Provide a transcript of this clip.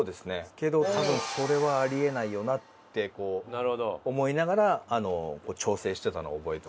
けど多分それはあり得ないよなってこう思いながら調整してたのは覚えてますね。